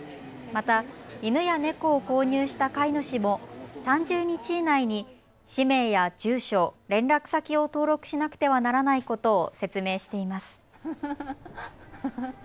また犬や猫を購入した飼い主も３０日以内に氏名や住所、連絡先を登録しなくてはならないことを説明しています。